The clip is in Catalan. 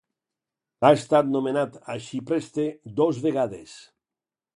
Ha estat nomenat arxipreste dos vegades.